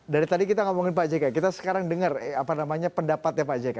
dari tadi kita ngomongin pak jk kita sekarang dengar pendapatnya pak jk